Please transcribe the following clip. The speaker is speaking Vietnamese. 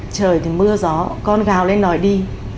trời thì mưa gió con gào lên nòi đi